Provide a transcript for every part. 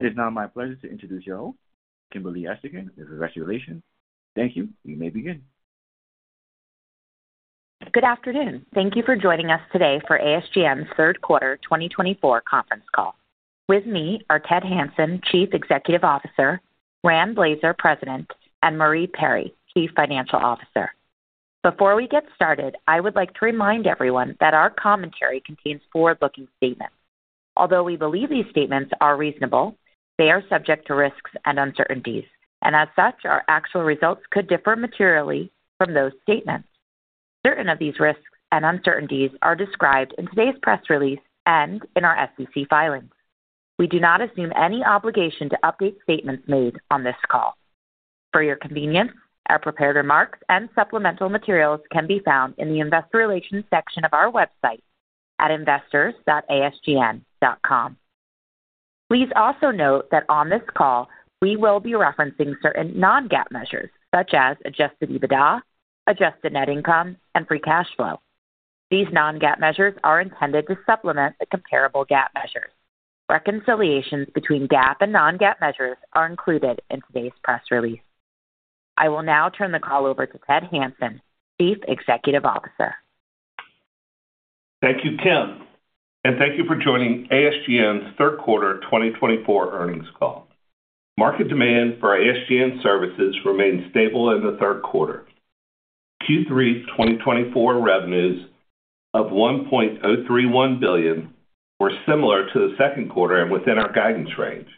It is now my pleasure to introduce you all, Kimberly Esterkin, of Investor Relations. Thank you. You may begin. Good afternoon. Thank you for joining us today for ASGN's Q3 2024 conference call. With me are Ted Hanson, Chief Executive Officer, Rand Blazer, President, and Marie Perry, Chief Financial Officer. Before we get started, I would like to remind everyone that our commentary contains forward-looking statements. Although we believe these statements are reasonable, they are subject to risks and uncertainties, and as such, our actual results could differ materially from those statements. Certain of these risks and uncertainties are described in today's press release and in our SEC filings. We do not assume any obligation to update statements made on this call. For your convenience, our prepared remarks and supplemental materials can be found in the Investor Relations section of our website at investors.asgn.com. Please also note that on this call, we will be referencing certain non-GAAP measures such as adjusted EBITDA, adjusted net income, and free cash flow. These non-GAAP measures are intended to supplement the comparable GAAP measures. Reconciliations between GAAP and non-GAAP measures are included in today's press release. I will now turn the call over to Ted Hanson, Chief Executive Officer. Thank you, Kim, and thank you for joining ASGN's Q3 2024 earnings call. Market demand for ASGN services remained stable in the Q3. Q3 2024 revenues of $1.031 billion were similar to the Q2 and within our guidance range.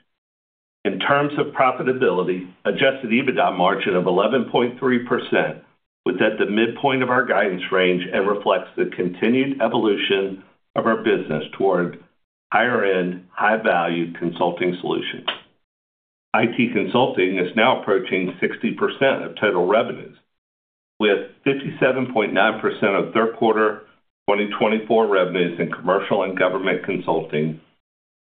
In terms of profitability, adjusted EBITDA margin of 11.3% was at the midpoint of our guidance range and reflects the continued evolution of our business toward higher-end, high-value consulting solutions. IT consulting is now approaching 60% of total revenues, with 57.9% of Q3 2024 revenues in commercial and government consulting,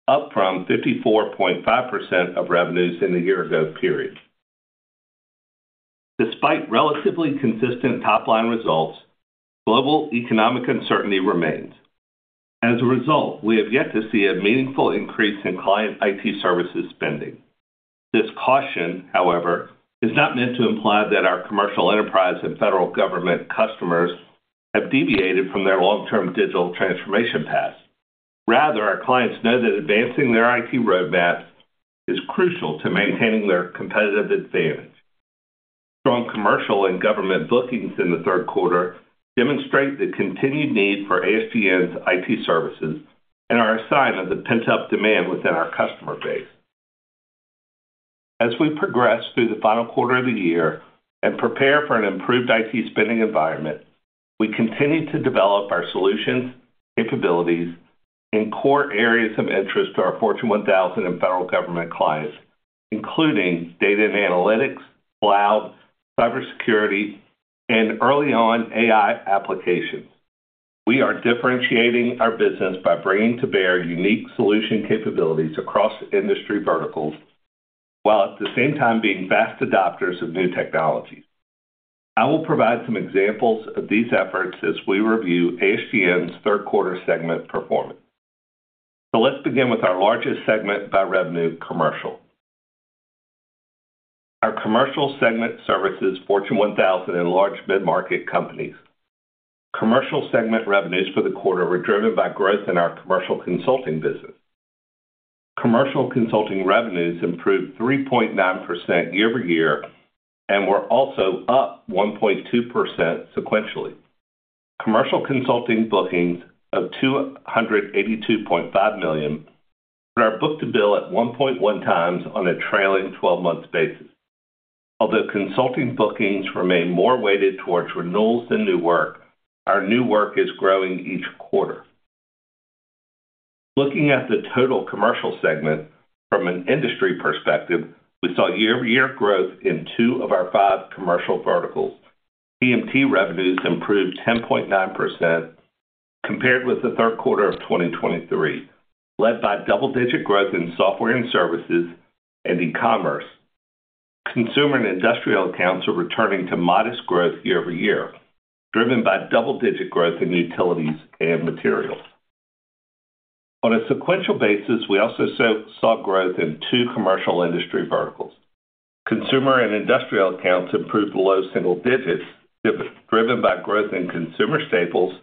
up from 54.5% of revenues in the year-ago period. Despite relatively consistent top-line results, global economic uncertainty remains. As a result, we have yet to see a meaningful increase in client IT services spending. This caution, however, is not meant to imply that our commercial enterprise and federal government customers have deviated from their long-term digital transformation paths. Rather, our clients know that advancing their IT roadmap is crucial to maintaining their competitive advantage. Strong commercial and government bookings in the Q3 demonstrate the continued need for ASGN's IT services and are a sign of the pent-up demand within our customer base. As we progress through the final quarter of the year and prepare for an improved IT spending environment, we continue to develop our solutions, capabilities in core areas of interest to our Fortune 1000 and federal government clients, including data and analytics, cloud, cybersecurity, and early on AI applications. We are differentiating our business by bringing to bear unique solution capabilities across industry verticals, while at the same time being fast adopters of new technologies. I will provide some examples of these efforts as we review ASGN's Q3 segment performance, so let's begin with our largest segment by revenue, commercial. Our commercial segment services Fortune 1000 and large mid-market companies. Commercial segment revenues for the quarter were driven by growth in our commercial consulting business. Commercial consulting revenues improved 3.9% year-over-year and were also up 1.2% sequentially. Commercial consulting bookings of $282.5 million are book-to-bill at 1.1 times on a trailing twelve-month basis. Although consulting bookings remain more weighted toward renewals than new work, our new work is growing each quarter. Looking at the total commercial segment from an industry perspective, we saw year-over-year growth in two of our five commercial verticals. TMT revenues improved 10.9% compared with the Q3 of 2023, led by double-digit growth in software and services and e-commerce. Consumer and industrial accounts are returning to modest growth year over year, driven by double-digit growth in utilities and materials. On a sequential basis, we also saw growth in two commercial industry verticals. Consumer and industrial accounts improved low single digits, driven by growth in consumer staples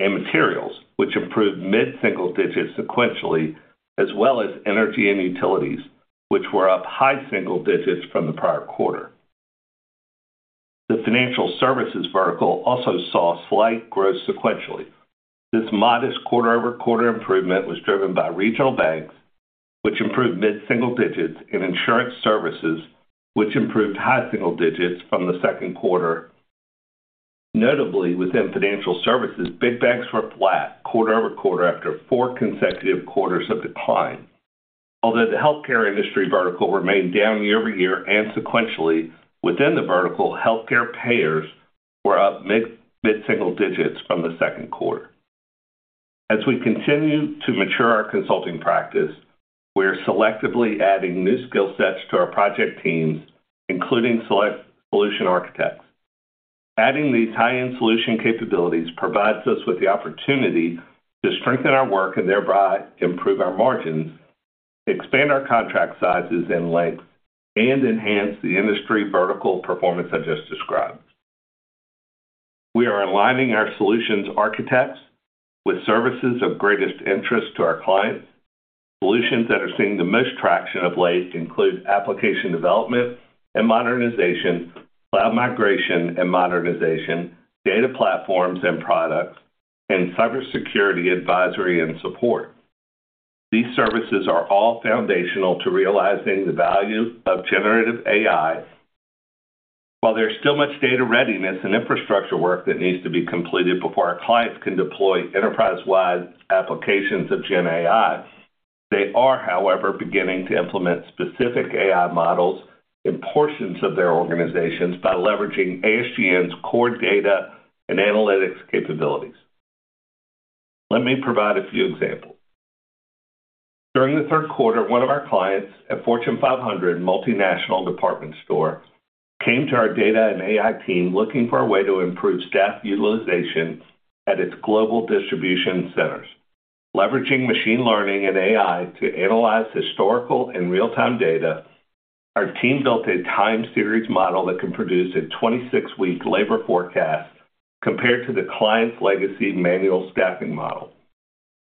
and materials, which improved mid-single digits sequentially, as well as energy and utilities, which were up high single digits from the prior quarter. The financial services vertical also saw slight growth sequentially. This modest quarter-over-quarter improvement was driven by regional banks, which improved mid-single digits in insurance services, which improved high single digits from the Q2. Notably, within financial services, big banks were flat quarter over quarter after four consecutive quarters of decline. Although the healthcare industry vertical remained down year over year and sequentially within the vertical, healthcare payers were up mid-single digits from the Q2. As we continue to mature our consulting practice, we are selectively adding new skill sets to our project teams, including select solution architects. Adding these high-end solution capabilities provides us with the opportunity to strengthen our work and thereby improve our margins, expand our contract sizes and length, and enhance the industry vertical performance I just described. We are aligning our solutions architects with services of greatest interest to our clients. Solutions that are seeing the most traction of late include application development and modernization, cloud migration and modernization, data platforms and products, and cybersecurity advisory and support. These services are all foundational to realizing the value of generative AI. While there's still much data readiness and infrastructure work that needs to be completed before our clients can deploy enterprise-wide applications of GenAI, they are, however, beginning to implement specific AI models in portions of their organizations by leveraging ASGN's core data and analytics capabilities. Let me provide a few examples. During the Q3, one of our clients, a Fortune 500 multinational department store, came to our data and AI team looking for a way to improve staff utilization at its global distribution centers. Leveraging machine learning and AI to analyze historical and real-time data, our team built a time series model that can produce a 26-week labor forecast compared to the client's legacy manual staffing model.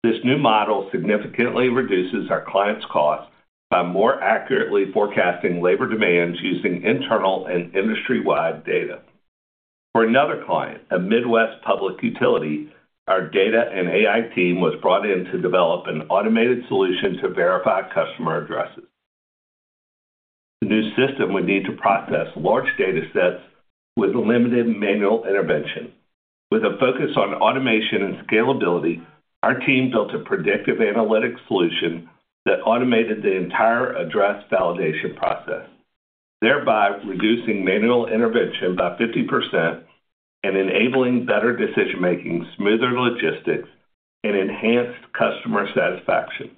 This new model significantly reduces our client's cost by more accurately forecasting labor demands using internal and industry-wide data. For another client, a Midwest public utility, our data and AI team was brought in to develop an automated solution to verify customer addresses. The new system would need to process large data sets with limited manual intervention. With a focus on automation and scalability, our team built a predictive analytics solution that automated the entire address validation process, thereby reducing manual intervention by 50% and enabling better decision-making, smoother logistics, and enhanced customer satisfaction.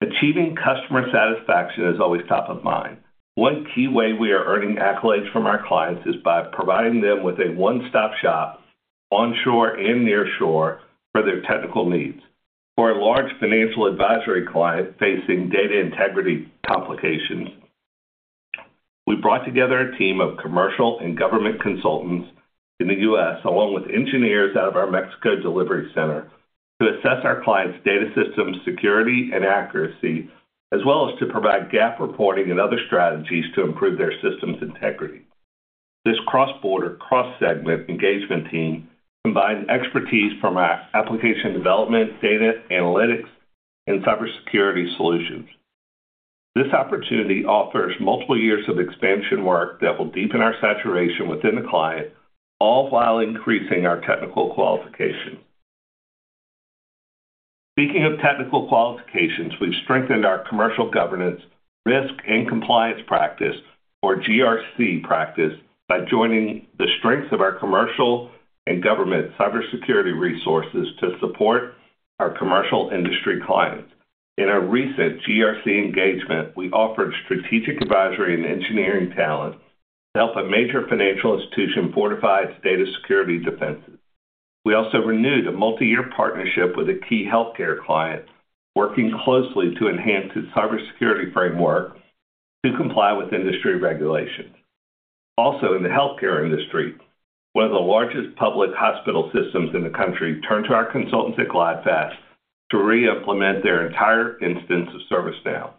Achieving customer satisfaction is always top of mind. One key way we are earning accolades from our clients is by providing them with a one-stop shop, onshore and nearshore, for their technical needs. For a large financial advisory client facing data integrity complications, we brought together a team of commercial and government consultants in the U.S., along with engineers out of our Mexico delivery center, to assess our client's data system security and accuracy, as well as to provide gap reporting and other strategies to improve their system's integrity. This cross-border, cross-segment engagement team combined expertise from our application development, data analytics, and cybersecurity solutions. This opportunity offers multiple years of expansion work that will deepen our saturation within the client, all while increasing our technical qualification. Speaking of technical qualifications, we've strengthened our commercial governance, risk, and compliance practice, or GRC practice, by joining the strengths of our commercial and government cybersecurity resources to support our commercial industry clients. In a recent GRC engagement, we offered strategic advisory and engineering talent to help a major financial institution fortify its data security defenses. We also renewed a multi-year partnership with a key healthcare client, working closely to enhance its cybersecurity framework to comply with industry regulations. Also, in the healthcare industry, one of the largest public hospital systems in the country turned to our consultants at GlideFast to re-implement their entire instance of ServiceNow.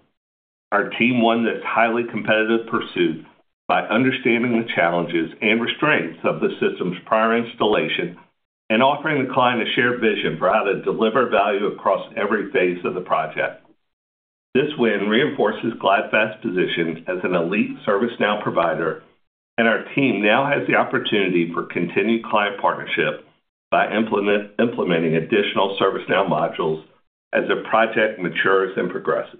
Our team won this highly competitive pursuit by understanding the challenges and restraints of the system's prior installation and offering the client a shared vision for how to deliver value across every phase of the project. This win reinforces GlideFast position as an elite ServiceNow provider, and our team now has the opportunity for continued client partnership by implementing additional ServiceNow modules as the project matures and progresses.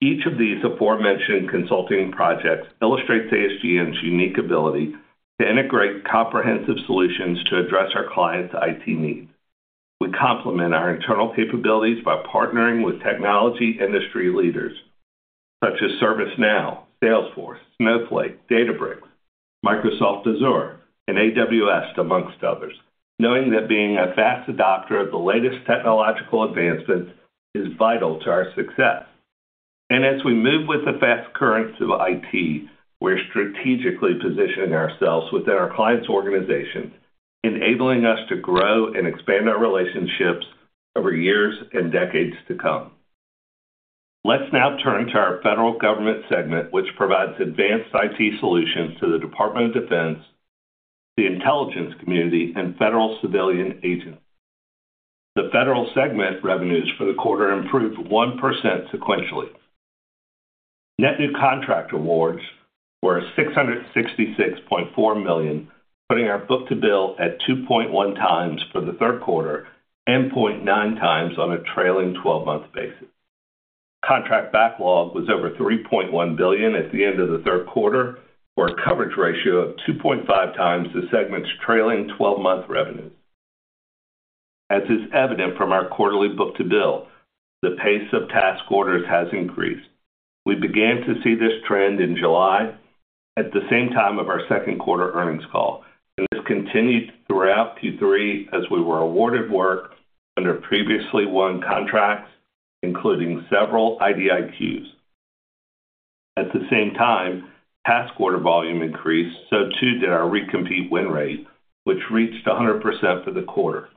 Each of these aforementioned consulting projects illustrates ASGN's unique ability to integrate comprehensive solutions to address our clients' IT needs. We complement our internal capabilities by partnering with technology industry leaders such as ServiceNow, Salesforce, Snowflake, Databricks, Microsoft Azure, and AWS, amongst others, knowing that being a fast adopter of the latest technological advancements is vital to our success, and as we move with the fast currents of IT, we're strategically positioning ourselves within our clients' organization, enabling us to grow and expand our relationships over years and decades to come. Let's now turn to our federal government segment, which provides advanced IT solutions to the Department of Defense, the intelligence community, and federal civilian agencies. The federal segment revenues for the quarter improved 1% sequentially. Net new contract awards were $666.4 million, putting our book-to-bill at 2.1 times for the Q3 and 0.9 times on a trailing-twelve-month basis. Contract backlog was over $3.1 billion at the end of the Q3, for a coverage ratio of 2.5 times the segment's trailing-twelve-month revenue. As is evident from our quarterly book-to-bill, the pace of task orders has increased. We began to see this trend in July, at the same time of our Q2 earnings call, and this continued throughout Q3 as we were awarded work under previously won contracts, including several IDIQs. At the same time, task order volume increased, so too did our recompete win rate, which reached 100% for the quarter.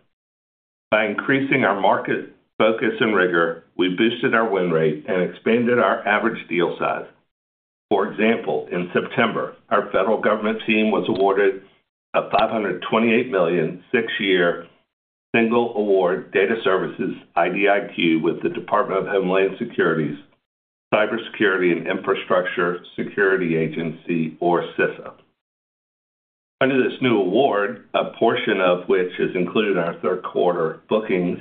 By increasing our market focus and rigor, we boosted our win rate and expanded our average deal size. For example, in September, our federal government team was awarded a $528 million, six-year single award data services IDIQ with the Department of Homeland Security's Cybersecurity and Infrastructure Security Agency, or CISA. Under this new award, a portion of which is included in our Q3 bookings,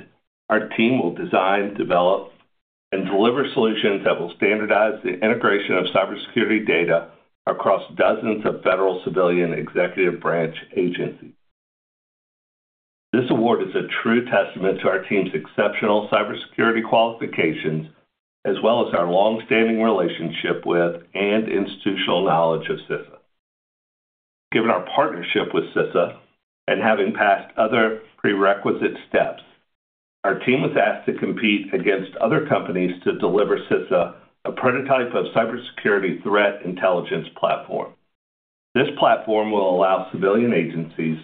our team will design, develop, and deliver solutions that will standardize the integration of cybersecurity data across dozens of federal civilian executive branch agencies. This award is a true testament to our team's exceptional cybersecurity qualifications, as well as our long-standing relationship with and institutional knowledge of CISA. Given our partnership with CISA, and having passed other prerequisite steps, our team was asked to compete against other companies to deliver CISA a prototype of cybersecurity threat intelligence platform. This platform will allow civilian agencies,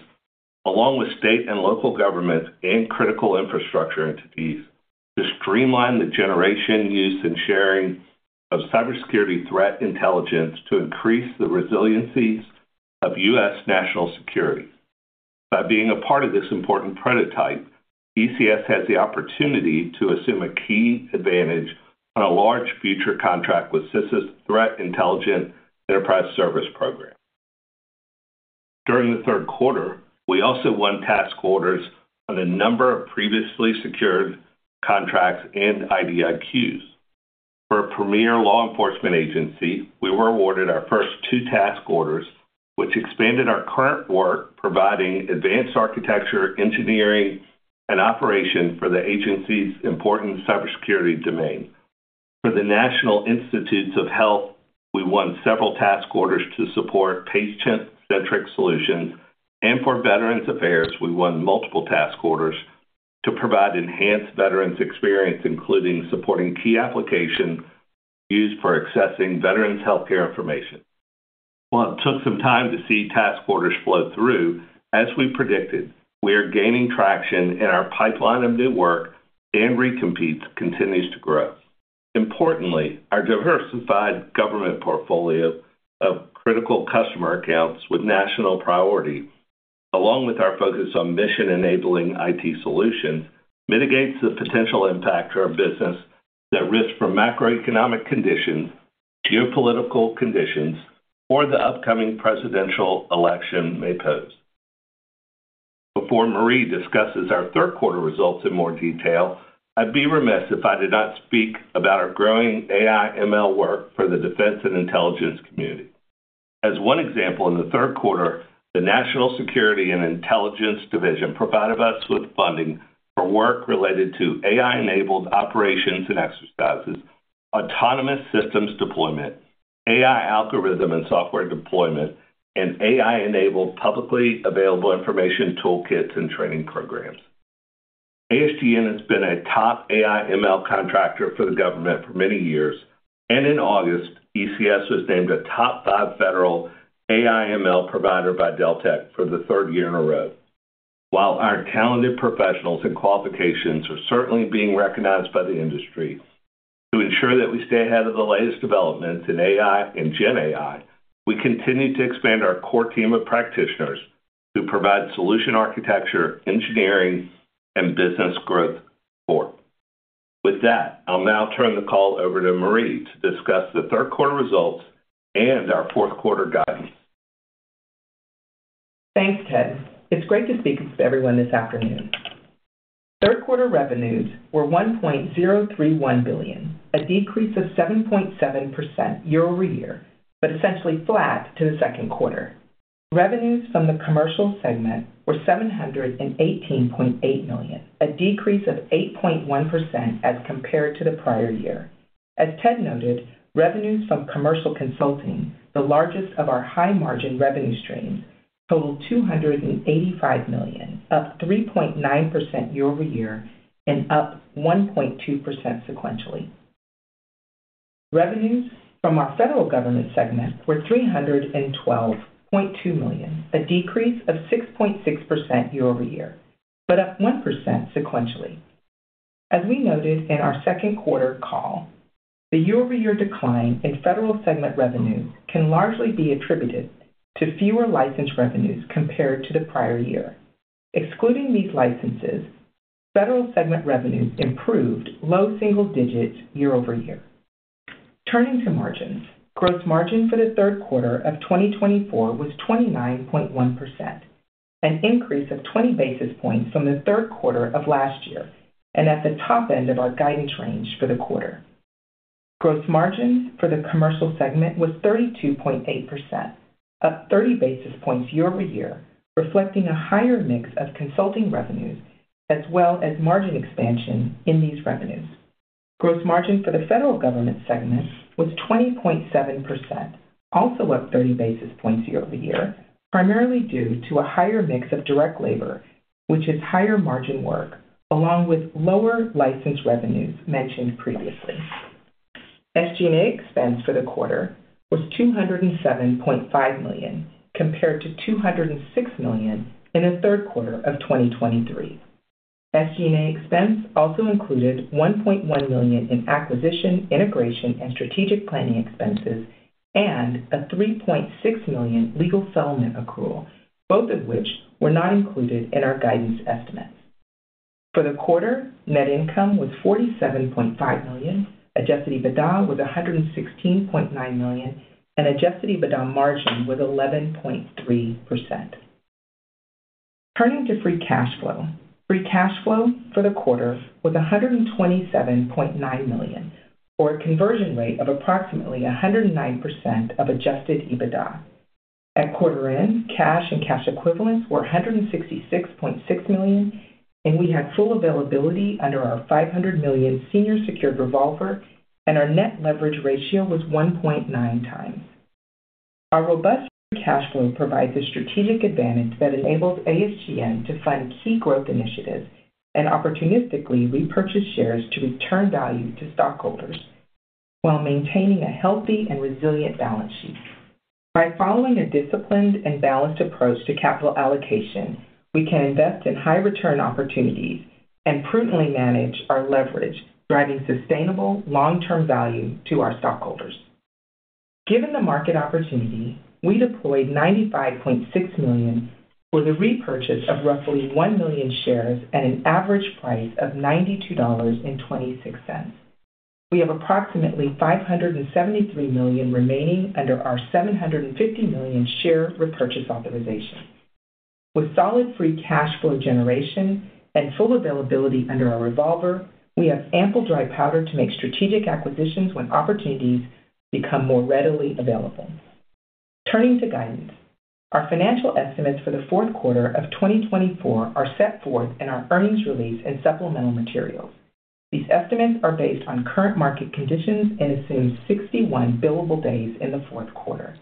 along with state and local governments and critical infrastructure entities, to streamline the generation, use, and sharing of cybersecurity threat intelligence to increase the resiliency of U.S. national security. By being a part of this important prototype, ECS has the opportunity to assume a key advantage on a large future contract with CISA's Threat Intelligence Enterprise Service program. During the Q3, we also won task orders on a number of previously secured contracts and IDIQs. For a premier law enforcement agency, we were awarded our first two task orders, which expanded our current work providing advanced architecture, engineering, and operation for the agency's important cybersecurity domain. For the National Institutes of Health, we won several task orders to support patient-centric solutions, and for Veterans Affairs, we won multiple task orders to provide enhanced veterans experience, including supporting key application used for accessing veterans' healthcare information. While it took some time to see task orders flow through, as we predicted, we are gaining traction, and our pipeline of new work and recompetes continues to grow. Importantly, our diversified government portfolio of critical customer accounts with national priority, along with our focus on mission-enabling IT solutions, mitigates the potential impact to our business that risk from macroeconomic conditions, geopolitical conditions, or the upcoming presidential election may pose. Before Marie discusses our Q3 results in more detail, I'd be remiss if I did not speak about our growing AI/ML work for the defense and intelligence community. As one example, in the Q3, the National Security and Intelligence Division provided us with funding for work related to AI-enabled operations and exercises, autonomous systems deployment, AI algorithm and software deployment, and AI-enabled publicly available information toolkits and training programs. ASGN has been a top AI/ML contractor for the government for many years, and in August, ECS was named a top five federal AI/ML provider by Deltek for the third year in a row. While our talented professionals and qualifications are certainly being recognized by the industry, to ensure that we stay ahead of the latest developments in AI and GenAI, we continue to expand our core team of practitioners who provide solution architecture, engineering, and business growth support. With that, I'll now turn the call over to Marie to discuss the Q3 results and our Q4 guidance. Thanks, Ted. It's great to speak with everyone this afternoon. Q3 revenues were $1.031 billion, a decrease of 7.7% year over year, but essentially flat to the Q2. Revenues from the commercial segment were $718.8 million, a decrease of 8.1% as compared to the prior year. As Ted noted, revenues from commercial consulting, the largest of our high-margin revenue streams, totaled $285 million, up 3.9% year over year and up 1.2% sequentially. Revenues from our federal government segment were $312.2 million, a decrease of 6.6% year over year, but up 1% sequentially. As we noted in our Q2 call, the year-over-year decline in federal segment revenues can largely be attributed to fewer licensed revenues compared to the prior year. Excluding these licenses, federal segment revenues improved low single digits year over year. Turning to margins, gross margin for the Q3 of 2024 was 29.1%, an increase of 20 basis points from the Q3 of last year, and at the top end of our guidance range for the quarter. Gross margin for the commercial segment was 32.8%, up 30 basis points year-over-year, reflecting a higher mix of consulting revenues as well as margin expansion in these revenues. Gross margin for the federal government segment was 20.7%, also up 30 basis points year-over-year, primarily due to a higher mix of direct labor, which is higher margin work, along with lower license revenues mentioned previously. SG&A expense for the quarter was $207.5 million, compared to $206 million in the Q3 of 2023. SG&A expense also included $1.1 million in acquisition, integration, and strategic planning expenses, and a $3.6 million legal settlement accrual, both of which were not included in our guidance estimates. For the quarter, net income was $47.5 million, Adjusted EBITDA was $116.9 million, and Adjusted EBITDA margin was 11.3%. Turning to free cash flow. Free cash flow for the quarter was $127.9 million, or a conversion rate of approximately 109% of Adjusted EBITDA. At quarter end, cash and cash equivalents were $166.6 million, and we had full availability under our $500 million senior secured revolver, and our net leverage ratio was 1.9 times. Our robust free cash flow provides a strategic advantage that enables ASGN to fund key growth initiatives and opportunistically repurchase shares to return value to stockholders while maintaining a healthy and resilient balance sheet. By following a disciplined and balanced approach to capital allocation, we can invest in high return opportunities and prudently manage our leverage, driving sustainable long-term value to our stockholders. Given the market opportunity, we deployed $95.6 million for the repurchase of roughly 1 million shares at an average price of $92.26. We have approximately $573 million remaining under our $750 million share repurchase authorization. With solid free cash flow generation and full availability under our revolver, we have ample dry powder to make strategic acquisitions when opportunities become more readily available. Turning to guidance. Our financial estimates for the Q4 of 2024 are set forth in our earnings release and supplemental materials. These estimates are based on current market conditions and assumes 61 billable days in the Q4,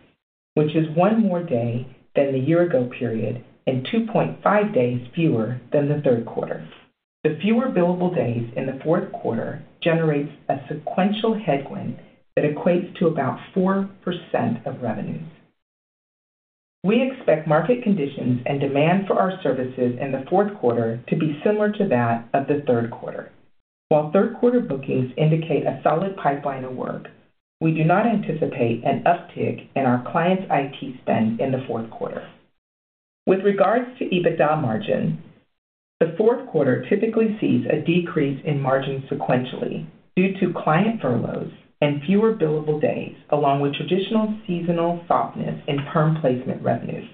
which is one more day than the year ago period and 2.5 days fewer than the Q3. The fewer billable days in the Q4 generates a sequential headwind that equates to about 4% of revenues. We expect market conditions and demand for our services in the Q4 to be similar to that of the Q3. While Q3 bookings indicate a solid pipeline of work, we do not anticipate an uptick in our clients' IT spend in the Q4. With regards to EBITDA margin, the Q4 typically sees a decrease in margin sequentially due to client furloughs and fewer billable days, along with traditional seasonal softness in perm placement revenues.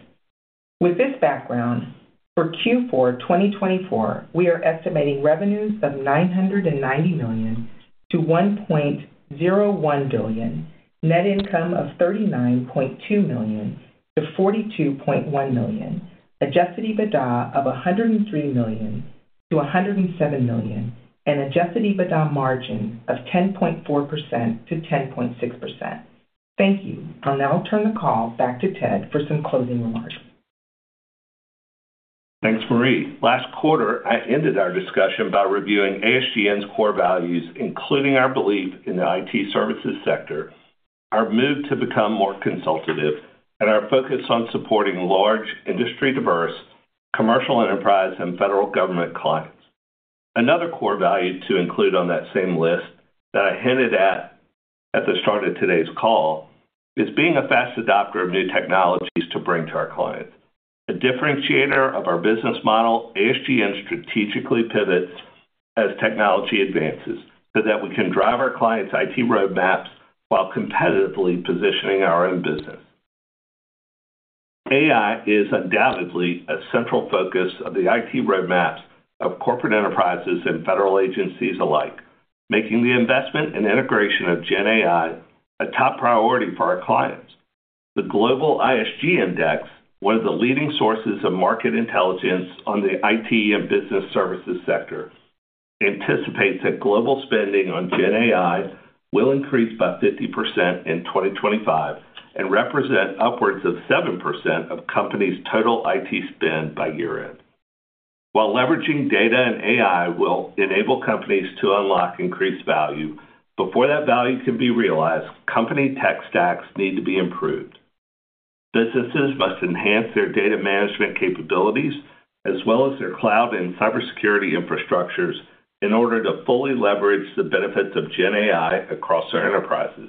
With this background, for Q4 2024, we are estimating revenues of $990 million-$1.01 billion, net income of $39.2 million-$42.1 million, Adjusted EBITDA of $103 million-$107 million, and Adjusted EBITDA margin of 10.4%-10.6%. Thank you. I'll now turn the call back to Ted for some closing remarks. Thanks, Marie. Last quarter, I ended our discussion by reviewing ASGN's core values, including our belief in the IT services sector, our move to become more consultative, and our focus on supporting large, industry-diverse, commercial enterprise, and federal government clients. Another core value to include on that same list that I hinted at at the start of today's call is being a fast adopter of new technologies to bring to our clients. A differentiator of our business model, ASGN strategically pivots as technology advances so that we can drive our clients' IT roadmaps while competitively positioning our own business. AI is undoubtedly a central focus of the IT roadmaps of corporate enterprises and federal agencies alike, making the investment and integration of GenAI a top priority for our clients. The Global ISG Index, one of the leading sources of market intelligence on the IT and business services sector, anticipates that global spending on GenAI will increase by 50% in 2025 and represent upwards of 7% of companies' total IT spend by year-end. While leveraging data and AI will enable companies to unlock increased value, before that value can be realized, company tech stacks need to be improved. Businesses must enhance their data management capabilities, as well as their cloud and cybersecurity infrastructures, in order to fully leverage the benefits of GenAI across their enterprises.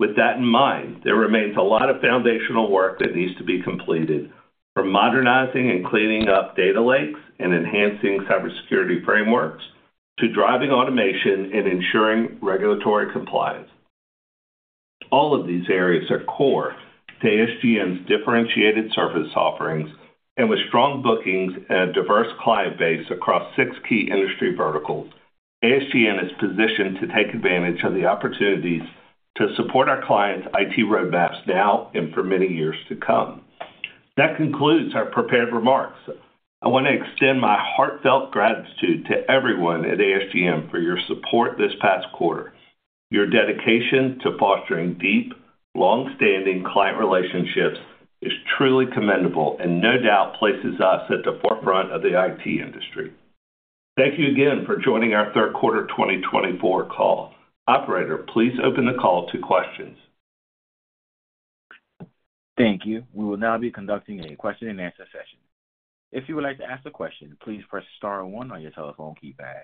With that in mind, there remains a lot of foundational work that needs to be completed, from modernizing and cleaning up data lakes and enhancing cybersecurity frameworks to driving automation and ensuring regulatory compliance. All of these areas are core to ASGN's differentiated service offerings, and with strong bookings and a diverse client base across six key industry verticals, ASGN is positioned to take advantage of the opportunities to support our clients' IT roadmaps now and for many years to come. That concludes our prepared remarks. I want to extend my heartfelt gratitude to everyone at ASGN for your support this past quarter. Your dedication to fostering deep, long-standing client relationships is truly commendable and no doubt places us at the forefront of the IT industry. Thank you again for joining our Q3 2024 call. Operator, please open the call to questions. Thank you. We will now be conducting a question-and-answer session. If you would like to ask a question, please press star one on your telephone keypad.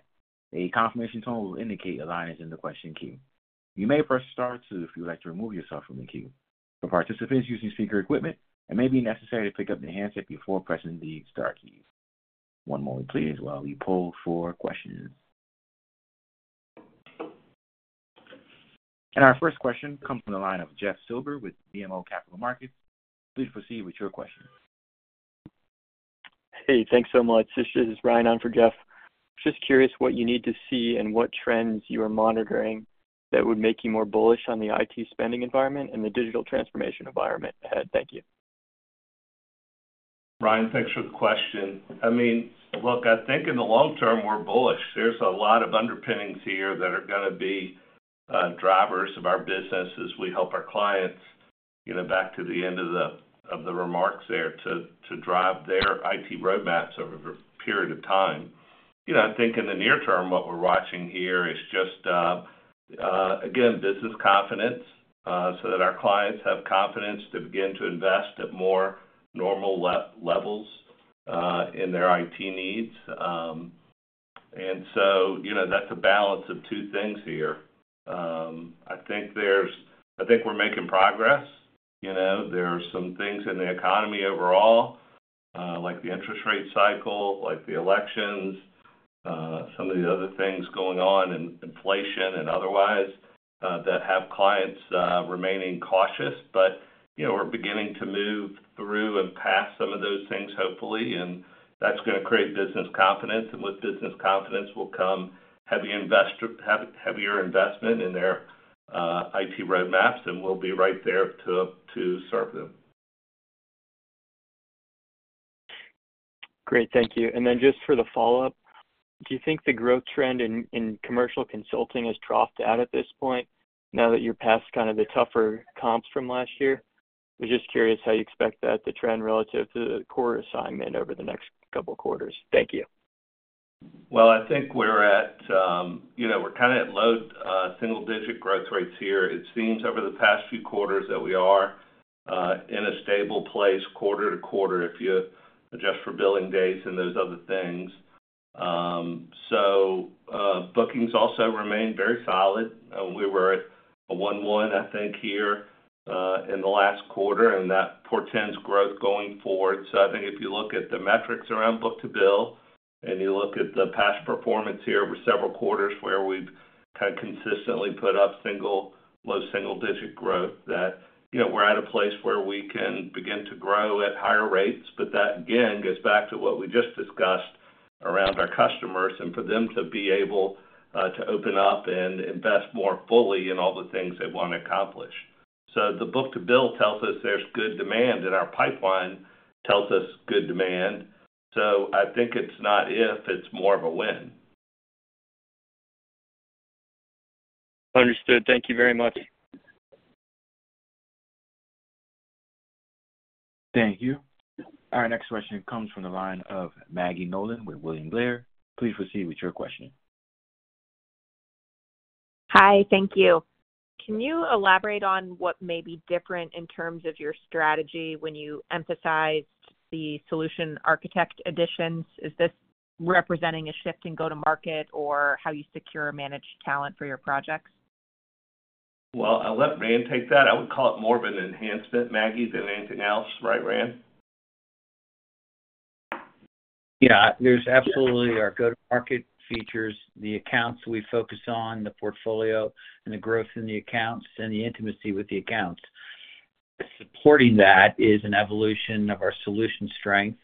A confirmation tone will indicate your line is in the question queue. You may press star two if you would like to remove yourself from the queue. For participants using speaker equipment, it may be necessary to pick up the handset before pressing the star key. One moment, please, while we poll for questions, and our first question comes from the line of Jeff Silber with BMO Capital Markets. Please proceed with your question. Hey, thanks so much. This is Ryan on for Jeff. Just curious what you need to see and what trends you are monitoring that would make you more bullish on the IT spending environment and the digital transformation environment ahead? Thank you. Ryan, thanks for the question. I mean, look, I think in the long term, we're bullish. There's a lot of underpinnings here that are gonna be drivers of our business as we help our clients, you know, back to the end of the remarks there, to drive their IT roadmaps over a period of time. You know, I think in the near term, what we're watching here is just again, business confidence, so that our clients have confidence to begin to invest at more normal levels in their IT needs. And so, you know, that's a balance of two things here. I think there's. I think we're making progress. You know, there are some things in the economy overall, like the interest rate cycle, like the elections, some of the other things going on in inflation and otherwise, that have clients remaining cautious. But, you know, we're beginning to move through and past some of those things, hopefully, and that's gonna create business confidence. And with business confidence will come heavier investment in their IT roadmaps, and we'll be right there to serve them. Great, thank you. And then just for the follow-up, do you think the growth trend in commercial consulting has troughed out at this point, now that you're past kind of the tougher comps from last year? I was just curious how you expect that to trend relative to the core ASGN over the next couple of quarters. Thank you. Well, I think we're at, you know, we're kind of at low single-digit growth rates here. It seems over the past few quarters that we are in a stable place, quarter to quarter, if you adjust for billing days and those other things. So, bookings also remain very solid. We were at a 1.1, I think, here in the last quarter, and that portends growth going forward. So I think if you look at the metrics around book-to-bill, and you look at the past performance here over several quarters, where we've kind of consistently put up single, low single-digit growth, that, you know, we're at a place where we can begin to grow at higher rates. But that, again, goes back to what we just discussed around our customers and for them to be able to open up and invest more fully in all the things they want to accomplish. So the book-to-bill tells us there's good demand, and our pipeline tells us good demand. So I think it's not if, it's more of a when. Understood. Thank you very much. Thank you. Our next question comes from the line of Maggie Nolan with William Blair. Please proceed with your question. Hi, thank you. Can you elaborate on what may be different in terms of your strategy when you emphasized the solution architect additions? Is this representing a shift in go-to-market or how you secure managed talent for your projects? I'll let Rand take that. I would call it more of an enhancement, Maggie, than anything else. Right, Rand? Yeah, there's absolutely our go-to-market features, the accounts we focus on, the portfolio and the growth in the accounts and the intimacy with the accounts. Supporting that is an evolution of our solution strength,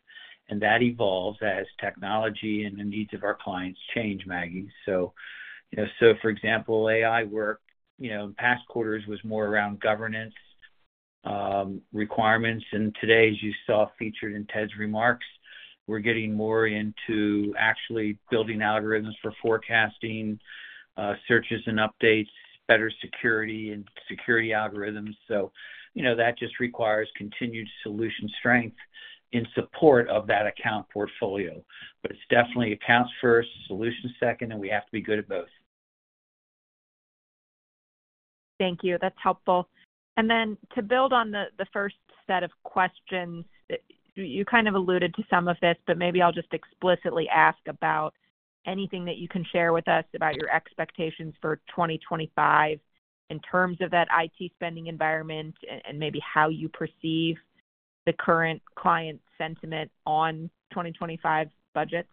and that evolves as technology and the needs of our clients change, Maggie. So, you know, so for example, AI work, you know, in past quarters was more around governance requirements. And today, as you saw featured in Ted's remarks, we're getting more into actually building algorithms for forecasting, searches and updates, better security and security algorithms. So, you know, that just requires continued solution strength in support of that account portfolio. But it's definitely accounts first, solutions second, and we have to be good at both. Thank you. That's helpful. And then to build on the first set of questions, you kind of alluded to some of this, but maybe I'll just explicitly ask about anything that you can share with us about your expectations for 2025 in terms of that IT spending environment and maybe how you perceive the current client sentiment on 2025 budgets?...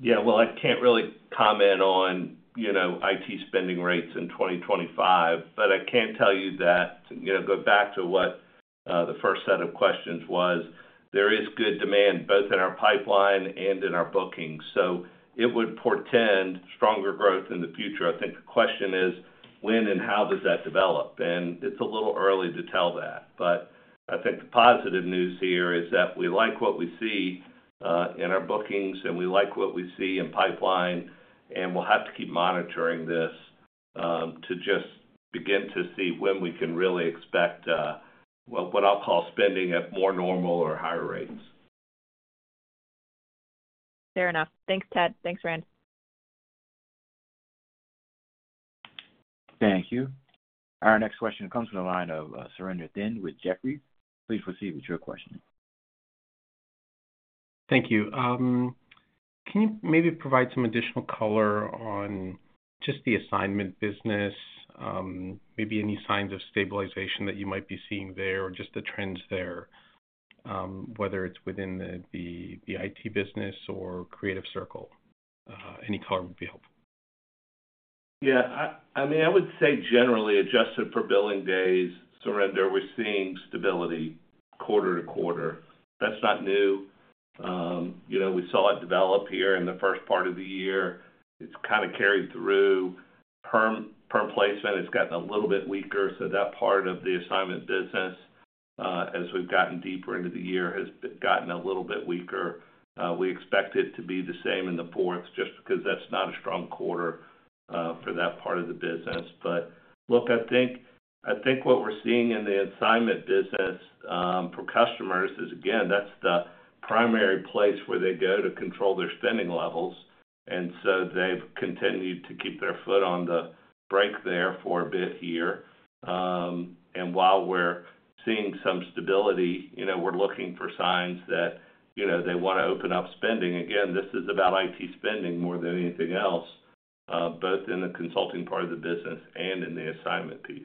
Yeah, well, I can't really comment on, you know, IT spending rates in 2025, but I can tell you that, you know, go back to what, the first set of questions was. There is good demand both in our pipeline and in our bookings, so it would portend stronger growth in the future. I think the question is when and how does that develop? And it's a little early to tell that, but I think the positive news here is that we like what we see, in our bookings, and we like what we see in pipeline, and we'll have to keep monitoring this, to just begin to see when we can really expect, well, what I'll call spending at more normal or higher rates. Fair enough. Thanks, Ted. Thanks, Rand. Thank you. Our next question comes from the line of, Surinder Thind with Jefferies. Please proceed with your question. Thank you. Can you maybe provide some additional color on just the ASGN business, maybe any signs of stabilization that you might be seeing there, or just the trends there, within the IT business or Creative Circle? Any color would be helpful. Yeah, I mean, I would say generally, adjusted for billing days, Surinder, we're seeing stability quarter to quarter. That's not new. You know, we saw it develop here in the first part of the year. It's kind of carried through. Perm placement has gotten a little bit weaker, so that part of the assignment business, as we've gotten deeper into the year, has gotten a little bit weaker. We expect it to be the same in the fourth, just because that's not a strong quarter for that part of the business. But look, I think what we're seeing in the assignment business for customers is, again, that's the primary place where they go to control their spending levels, and so they've continued to keep their foot on the brake there for a bit here. And while we're seeing some stability, you know, we're looking for signs that, you know, they wanna open up spending. Again, this is about IT spending more than anything else, both in the consulting part of the business and in the assignment piece.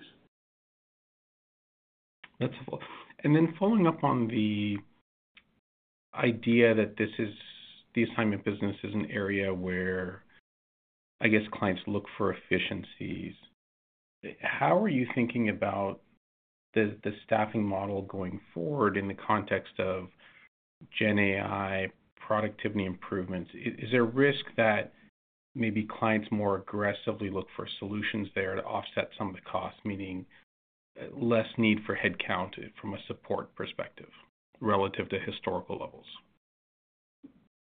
That's helpful. And then following up on the idea that this is, the assignment business is an area where, I guess, clients look for efficiencies. How are you thinking about the staffing model going forward in the context of GenAI, productivity improvements? Is there a risk that maybe clients more aggressively look for solutions there to offset some of the costs, meaning less need for headcount from a support perspective relative to historical levels?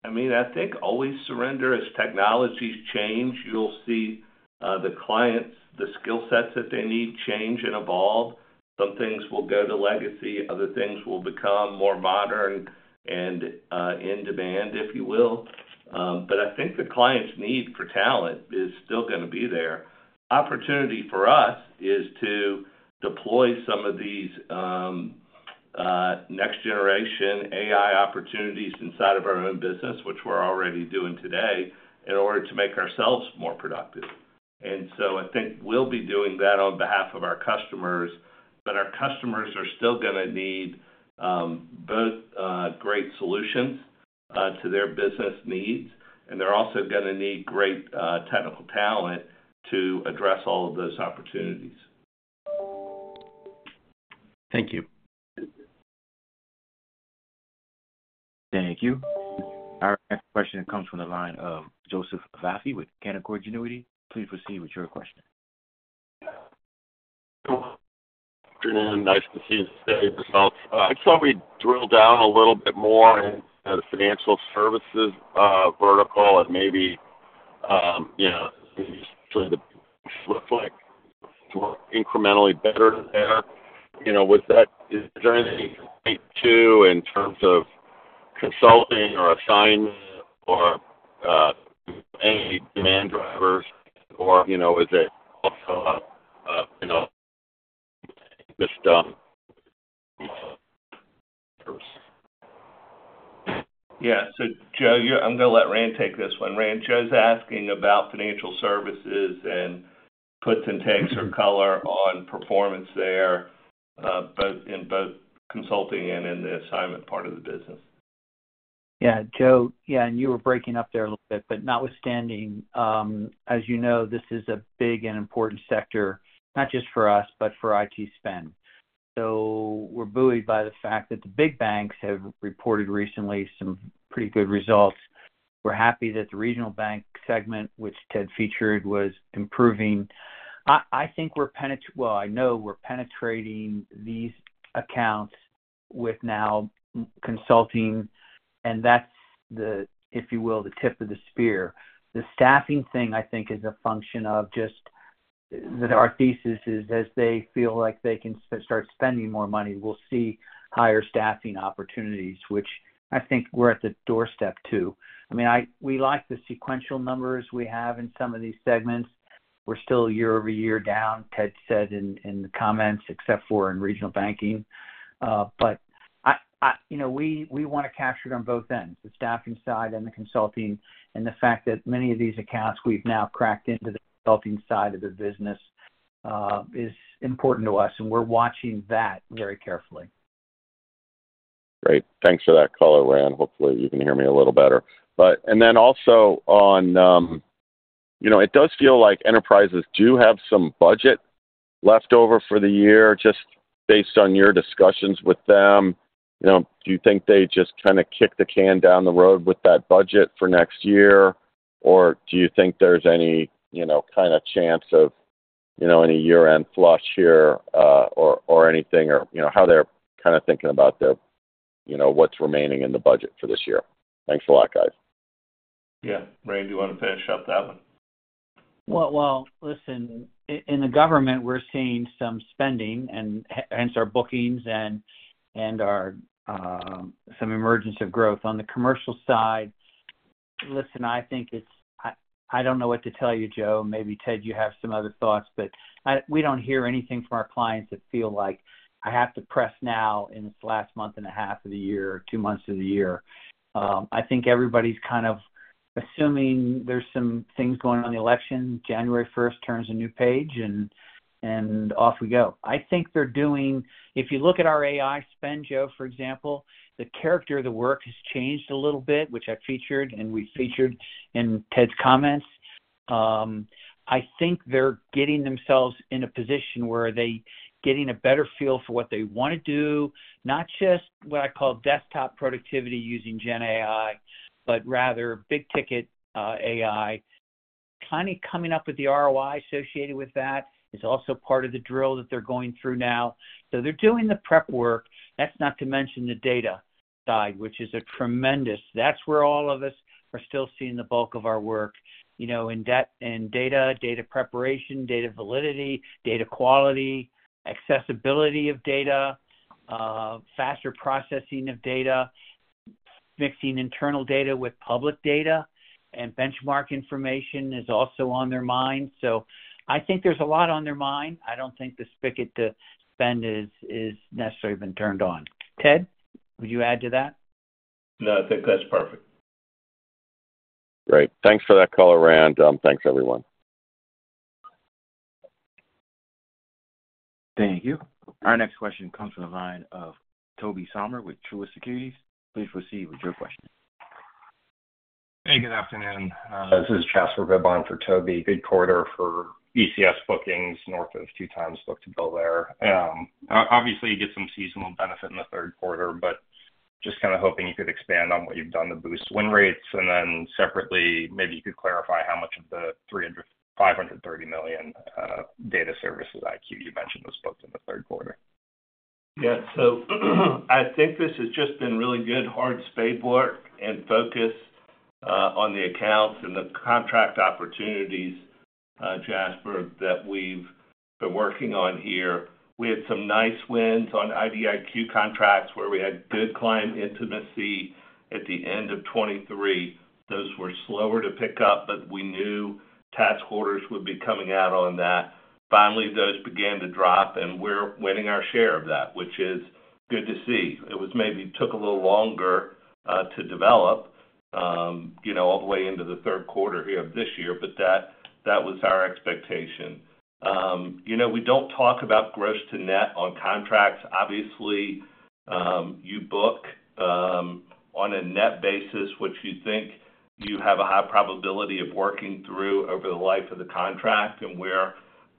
I mean, I think always, Surinder, as technologies change, you'll see, the clients, the skill sets that they need, change and evolve. Some things will go to legacy, other things will become more modern and, in demand, if you will, but I think the clients' need for talent is still gonna be there. Opportunity for us is to deploy some of these, next generation AI opportunities inside of our own business, which we're already doing today, in order to make ourselves more productive, and so I think we'll be doing that on behalf of our customers, but our customers are still gonna need, both, great solutions, to their business needs, and they're also gonna need great, technical talent to address all of those opportunities. Thank you. Thank you. Our next question comes from the line of Joseph Vafi with Canaccord Genuity. Please proceed with your question. Good afternoon. Nice to see you today, results. I just thought we'd drill down a little bit more on the financial services vertical and maybe, you know, sort of look like incrementally better there. You know, was that- is there anything to, in terms of consulting, or assignment, or, any demand drivers or, you know, is it also, you know, just... Yeah. So, Joe, you're - I'm gonna let Rand take this one. Rand, Joe's asking about financial services and puts and takes or color on performance there, both in, both consulting and in the assignment part of the business. Yeah, Joe. Yeah, and you were breaking up there a little bit, but notwithstanding, as you know, this is a big and important sector, not just for us, but for IT spend. So we're buoyed by the fact that the big banks have reported recently some pretty good results. We're happy that the regional bank segment, which Ted featured, was improving. I think we're penetrating these accounts with our consulting, and that's the, if you will, the tip of the spear. The staffing thing, I think, is a function of just that our thesis is as they feel like they can start spending more money, we'll see higher staffing opportunities, which I think we're at the doorstep to. I mean, we like the sequential numbers we have in some of these segments. We're still year over year down. Ted said in the comments, except for in regional banking, but I you know we want to capture it on both ends, the staffing side and the consulting, and the fact that many of these accounts we've now cracked into the consulting side of the business is important to us, and we're watching that very carefully.... Great. Thanks for that call, Rand. Hopefully, you can hear me a little better. But and then also on, you know, it does feel like enterprises do have some budget left over for the year, just based on your discussions with them. You know, do you think they just kind of kick the can down the road with that budget for next year? Or do you think there's any, you know, kind of chance of, you know, any year-end flush here, or anything, or, you know, how they're kind of thinking about the, you know, what's remaining in the budget for this year? Thanks a lot, guys. Yeah. Rand, do you want to finish up that one? Well, well, listen, in the government, we're seeing some spending, and hence our bookings and our some emergence of growth. On the commercial side, listen, I think it's. I don't know what to tell you, Joe. Maybe, Ted, you have some other thoughts, but we don't hear anything from our clients that feel like I have to press now in this last month and a half of the year, or two months of the year. I think everybody's kind of assuming there's some things going on in the election. January first turns a new page, and off we go. I think they're doing. If you look at our AI spend, Joe, for example, the character of the work has changed a little bit, which I featured and we featured in Ted's comments. I think they're getting themselves in a position where they getting a better feel for what they want to do, not just what I call desktop productivity using GenAI, but rather big-ticket AI. Kind of coming up with the ROI associated with that is also part of the drill that they're going through now. So they're doing the prep work. That's not to mention the data side, which is a tremendous. That's where all of us are still seeing the bulk of our work, you know, in data, data preparation, data validity, data quality, accessibility of data, faster processing of data, mixing internal data with public data, and benchmark information is also on their mind. So I think there's a lot on their mind. I don't think the spigot to spend is necessarily been turned on. Ted, would you add to that? No, I think that's perfect. Great. Thanks for that call, Rand. Thanks, everyone. Thank you. Our next question comes from the line of Toby Sommer with Truist Securities. Please proceed with your question. Hey, good afternoon. This is Jasper Bibb for Toby. Good quarter for ECS bookings, north of two times book-to-bill there. Obviously, you get some seasonal benefit in the Q3, but just kind of hoping you could expand on what you've done to boost win rates. And then separately, maybe you could clarify how much of the $350 million, uh, data services IDIQ you mentioned, was booked in the Q3. Yeah. So, I think this has just been really good, hard spade work and focus, on the accounts and the contract opportunities, Jasper, that we've been working on here. We had some nice wins on IDIQ contracts, where we had good client intimacy at the end of 2023. Those were slower to pick up, but we knew task orders would be coming out on that. Finally, those began to drop, and we're winning our share of that, which is good to see. It was maybe took a little longer, to develop, you know, all the way into the Q3 here of this year, but that was our expectation. You know, we don't talk about gross to net on contracts. Obviously, you book on a net basis, which you think you have a high probability of working through over the life of the contract, and we're,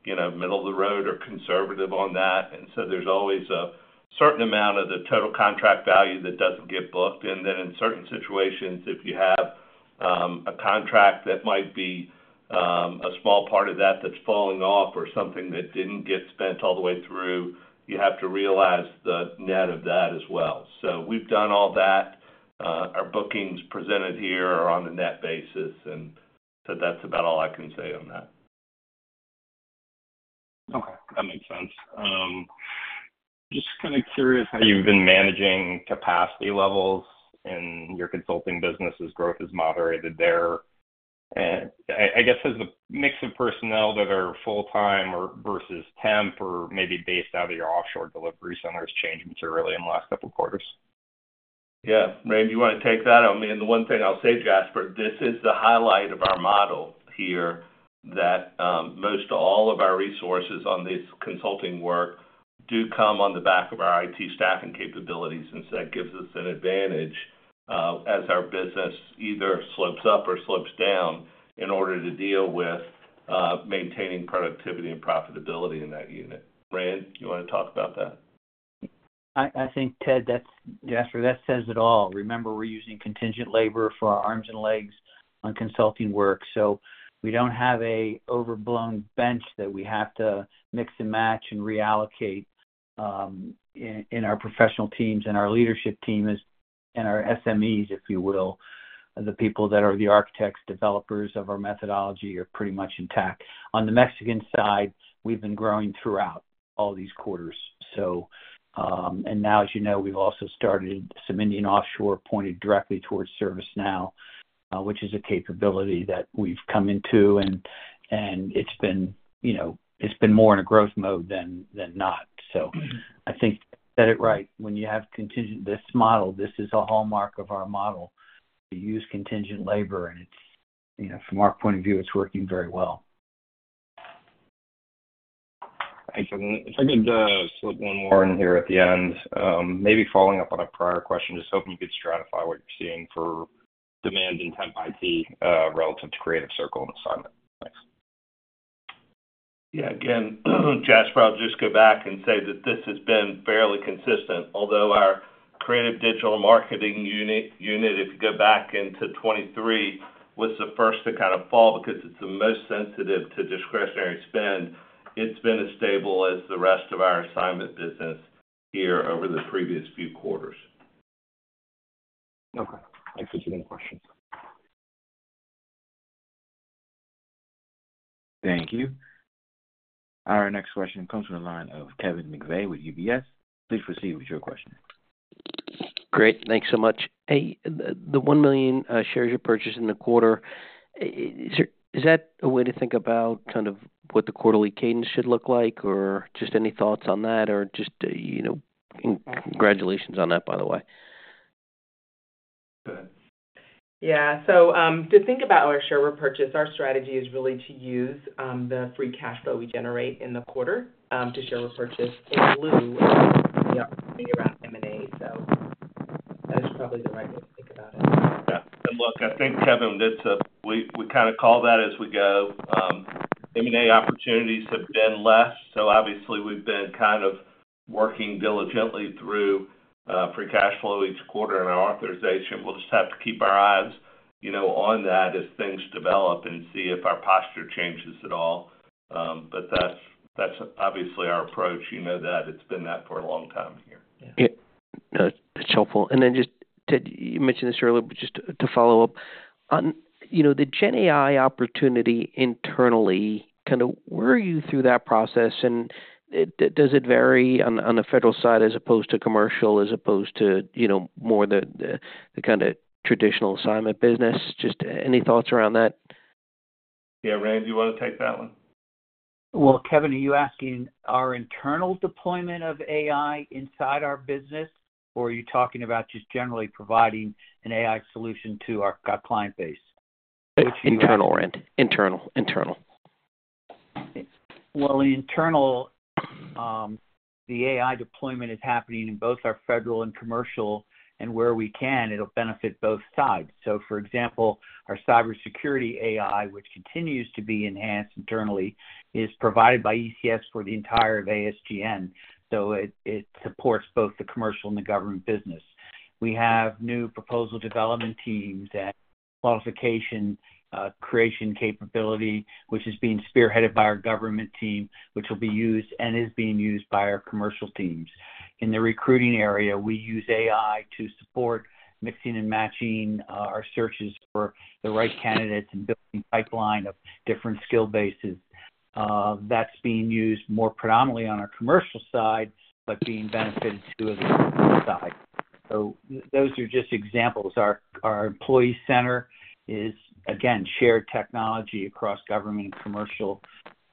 you know, middle of the road or conservative on that. And so there's always a certain amount of the total contract value that doesn't get booked. And then in certain situations, if you have a contract that might be a small part of that that's falling off or something that didn't get spent all the way through, you have to realize the net of that as well. So we've done all that. Our bookings presented here are on a net basis, and so that's about all I can say on that. Okay, that makes sense. Just kind of curious how you've been managing capacity levels in your consulting businesses, growth has moderated there. I guess as a mix of personnel, whether full-time or versus temp or maybe based out of your offshore delivery centers, changed materially in the last couple of quarters? Yeah. Rand, you want to take that? I mean, the one thing I'll say, Jasper, this is the highlight of our model here, that, most all of our resources on this consulting work do come on the back of our IT staffing capabilities, and so that gives us an advantage, as our business either slopes up or slopes down in order to deal with, maintaining productivity and profitability in that unit. Rand, you want to talk about that? I think, Ted, that's, Jasper, that says it all. Remember, we're using contingent labor for our arms and legs on consulting work, so we don't have an overblown bench that we have to mix and match and reallocate in our professional teams and our leadership teams and our SMEs, if you will. The people that are the architects, developers of our methodology are pretty much intact. On the Mexican side, we've been growing throughout all these quarters. So, and now, as you know, we've also started some Indian offshore, pointed directly towards ServiceNow, which is a capability that we've come into, and it's been, you know, it's been more in a growth mode than not. So I think you said it right. When you have contingent this model, this is a hallmark of our model. We use contingent labor, and it's, you know, from our point of view, it's working very well.... Thanks, Kevin. If I could slip one more in here at the end, maybe following up on a prior question, just hoping you could stratify what you're seeing for demand in Temp IT, relative to Creative Circle and Apex. Thanks. Yeah. Again, Jasper, I'll just go back and say that this has been fairly consistent. Although our creative digital marketing unit, if you go back into 2023, was the first to kind of fall, because it's the most sensitive to discretionary spend. It's been as stable as the rest of our assignment business here over the previous few quarters. Okay. Thanks for taking the question. Thank you. Our next question comes from the line of Kevin McVeigh with UBS. Please proceed with your question. Great. Thanks so much. Hey, the one million shares you purchased in the quarter, is that a way to think about kind of what the quarterly cadence should look like? Or just any thoughts on that, or just, you know, congratulations on that, by the way. Go ahead. Yeah. So, to think about our share repurchase, our strategy is really to use the free cash flow we generate in the quarter to share repurchase. In lieu, we think about M&A, so that's probably the right way to think about it. Yeah, and look, I think, Kevin, it's we kinda call that as we go. M&A opportunities have been less, so obviously, we've been kind of working diligently through Free Cash Flow each quarter in our authorization. We'll just have to keep our eyes, you know, on that as things develop and see if our posture changes at all, but that's obviously our approach. You know that. It's been that for a long time here. Yeah. No, it's helpful. And then, just Ted, you mentioned this earlier, but just to follow up. On, you know, the GenAI opportunity internally, kind of, where are you through that process, and does it vary on the federal side as opposed to commercial, as opposed to, you know, more the kind of traditional assignment business? Just any thoughts around that? Yeah, Rand, you wanna take that one? Well, Kevin, are you asking our internal deployment of AI inside our business, or are you talking about just generally providing an AI solution to our client base? Internal, Rand. Well, internal, the AI deployment is happening in both our federal and commercial, and where we can, it'll benefit both sides. So for example, our cybersecurity AI, which continues to be enhanced internally, is provided by ECS for the entire ASGN, so it, it supports both the commercial and the government business. We have new proposal development teams and qualification creation capability, which is being spearheaded by our government team, which will be used and is being used by our commercial teams. In the recruiting area, we use AI to support mixing and matching our searches for the right candidates and building pipeline of different skill bases. That's being used more predominantly on our commercial side, but being benefited to as a side. So those are just examples. Our employee center is, again, shared technology across government and commercial,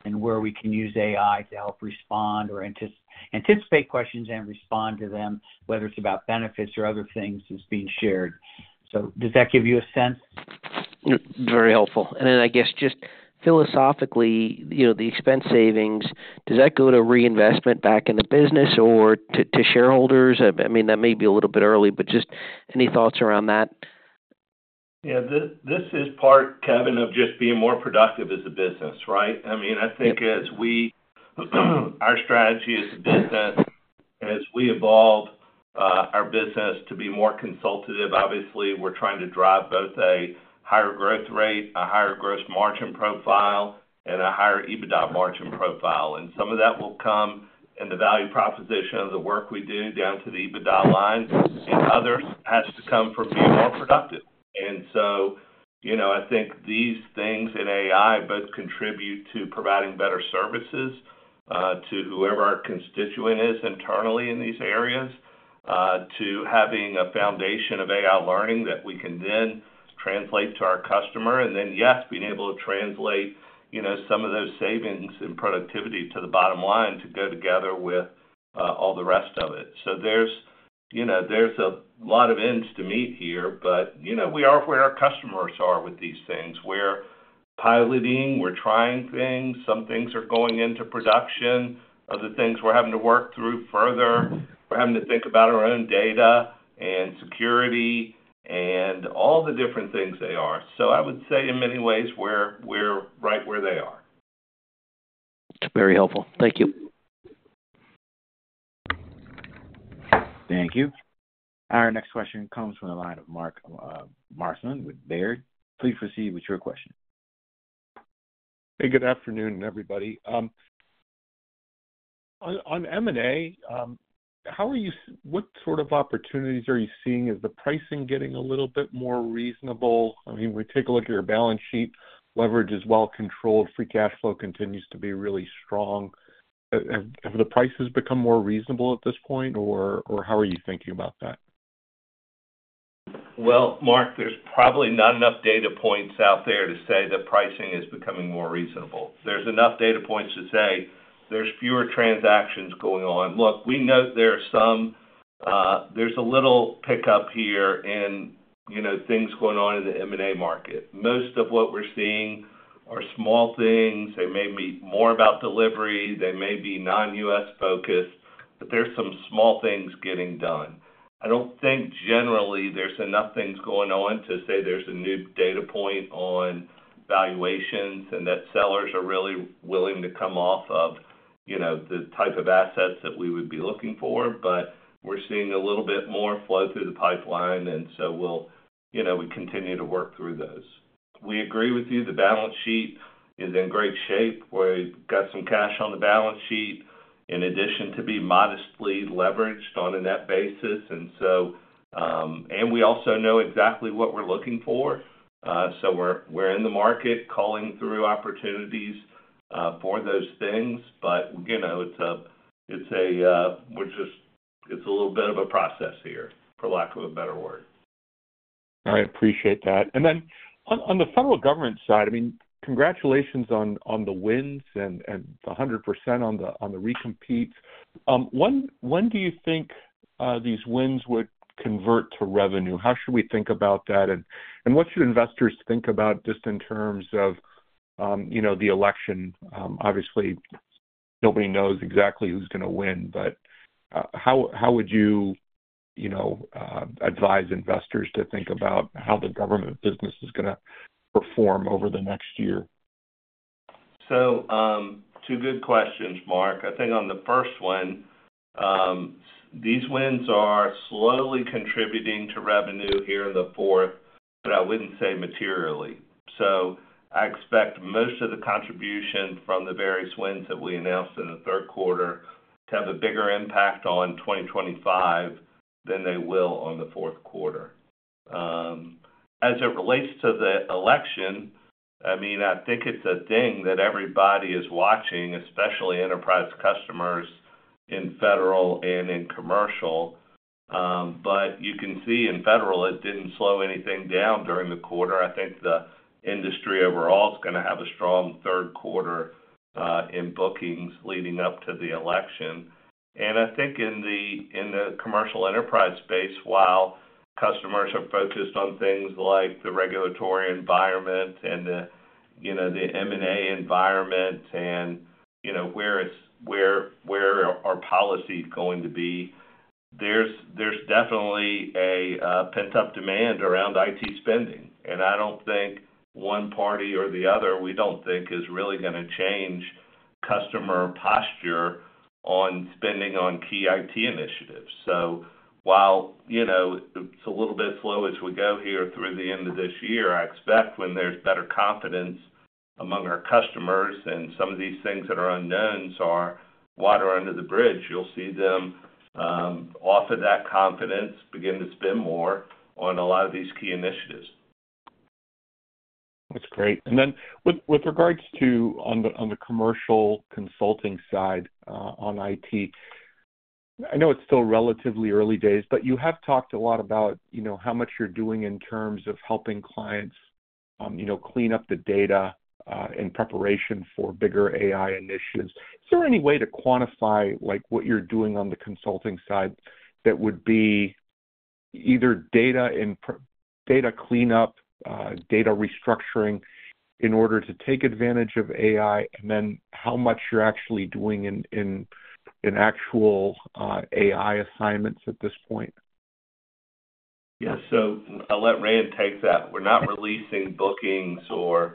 and where we can use AI to help respond or anticipate questions and respond to them, whether it's about benefits or other things, is being shared. So does that give you a sense? Very helpful. And then I guess, just philosophically, you know, the expense savings, does that go to reinvestment back in the business or to shareholders? I mean, that may be a little bit early, but just any thoughts around that? Yeah, this is part, Kevin, of just being more productive as a business, right? I mean, I think as we, our strategy as a business, as we evolve, our business to be more consultative, obviously, we're trying to drive both a higher growth rate, a higher gross margin profile, and a higher EBITDA margin profile. And some of that will come in the value proposition of the work we do down to the EBITDA lines, and others has to come from being more productive. And so, you know, I think these things in AI both contribute to providing better services, to whoever our constituent is internally in these areas, to having a foundation of AI learning that we can then translate to our customer. And then, yes, being able to translate, you know, some of those savings and productivity to the bottom line to go together with all the rest of it. So, you know, there's a lot of ends to meet here, but, you know, we are where our customers are with these things. We're piloting, we're trying things. Some things are going into production. Other things, we're having to work through further. We're having to think about our own data and security and all the different things they are. So I would say in many ways, we're right where they are. Very helpful. Thank you. Thank you. Our next question comes from the line of Mark Marcon with Baird. Please proceed with your question. Hey, good afternoon, everybody. On M&A, what sort of opportunities are you seeing? Is the pricing getting a little bit more reasonable? I mean, we take a look at your balance sheet, leverage is well controlled, free cash flow continues to be really strong. Have the prices become more reasonable at this point, or how are you thinking about that? Well, Mark, there's probably not enough data points out there to say that pricing is becoming more reasonable. There's enough data points to say there's fewer transactions going on. Look, we know there are some, there's a little pickup here in, you know, things going on in the M&A market. Most of what we're seeing are small things. They may be more about delivery, they may be non-U.S. focused, but there's some small things getting done. I don't think generally there's enough things going on to say there's a new data point on valuations, and that sellers are really willing to come off of, you know, the type of assets that we would be looking for. But we're seeing a little bit more flow through the pipeline, and so we'll, you know, we continue to work through those. We agree with you. The balance sheet is in great shape, where we've got some cash on the balance sheet, in addition to being modestly leveraged on a net basis. And so we also know exactly what we're looking for. So we're in the market, culling through opportunities for those things. But you know, it's a little bit of a process here, for lack of a better word. I appreciate that. And then on the federal government side, I mean, congratulations on the wins and the 100% on the recompetes. When do you think these wins would convert to revenue? How should we think about that? And what should investors think about just in terms of you know, the election? Obviously, nobody knows exactly who's gonna win, but how would you you know, advise investors to think about how the government business is gonna perform over the next year? So, two good questions, Mark. I think on the first one, these wins are slowly contributing to revenue here in the fourth, but I wouldn't say materially. So I expect most of the contribution from the various wins that we announced in the Q3 to have a bigger impact on 2025 than they will on the Q4. As it relates to the election, I mean, I think it's a thing that everybody is watching, especially enterprise customers in federal and in commercial. But you can see in federal, it didn't slow anything down during the quarter. I think the industry overall is gonna have a strong Q3 in bookings leading up to the election. I think in the commercial enterprise space, while customers are focused on things like the regulatory environment and, you know, the M&A environment and, you know, where policies are going to be, there's definitely a pent-up demand around IT spending. And I don't think one party or the other, we don't think, is really gonna change customer posture on spending on key IT initiatives. So while, you know, it's a little bit slow as we go here through the end of this year, I expect when there's better confidence among our customers and some of these things that are unknowns are water under the bridge, you'll see them off of that confidence, begin to spend more on a lot of these key initiatives. That's great. And then with regards to the commercial consulting side on IT, I know it's still relatively early days, but you have talked a lot about, you know, how much you're doing in terms of helping clients, you know, clean up the data in preparation for bigger AI initiatives. Is there any way to quantify, like, what you're doing on the consulting side that would be either data cleanup, data restructuring, in order to take advantage of AI, and then how much you're actually doing in actual AI assignments at this point? Yeah. So I'll let Rand take that. We're not releasing bookings or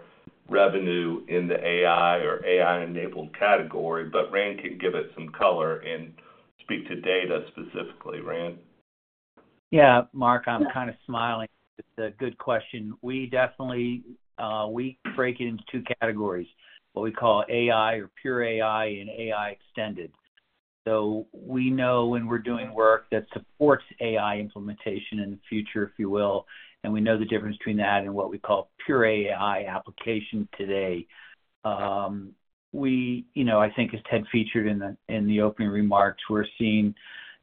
revenue in the AI or AI-enabled category, but Rand can give it some color and speak to data specifically. Rand? Yeah, Mark, I'm kind of smiling. It's a good question. We definitely we break it into two categories, what we call AI or pure AI and AI extended. So we know when we're doing work that supports AI implementation in the future, if you will, and we know the difference between that and what we call pure AI application today. We, you know, I think as Ted featured in the opening remarks, we're seeing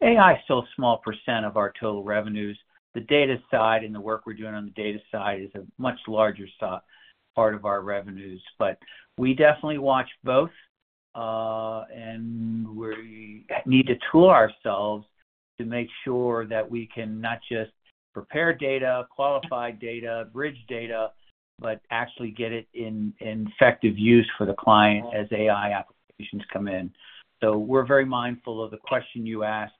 AI is still a small % of our total revenues. The data side and the work we're doing on the data side is a much larger part of our revenues. But we definitely watch both, and we need to tool ourselves to make sure that we can not just prepare data, qualify data, bridge data, but actually get it in effective use for the client as AI applications come in. So we're very mindful of the question you asked.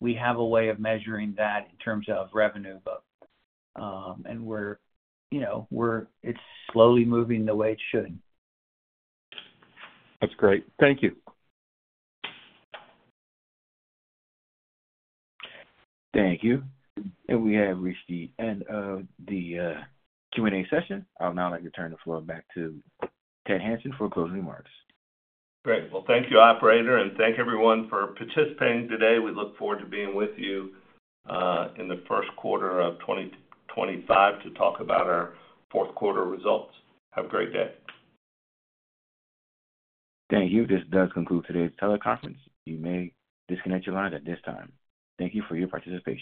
We have a way of measuring that in terms of revenue, but, and we're, you know, it's slowly moving the way it should. That's great. Thank you. Thank you. And we have reached the end of the Q&A session. I would now like to turn the floor back to Ted Hanson for closing remarks. Great. Well, thank you, operator, and thank everyone for participating today. We look forward to being with you in the Q1 of 2025 to talk about our Q4 results. Have a great day. Thank you. This does conclude today's teleconference. You may disconnect your lines at this time. Thank you for your participation.